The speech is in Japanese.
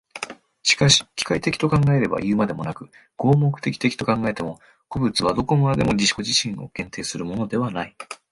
しかし機械的と考えればいうまでもなく、合目的的と考えても、個物はどこまでも自己自身を限定するものではない。